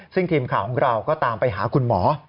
ซึ่งทีมข่าวของเราก็ตามไปหาคุณหมอ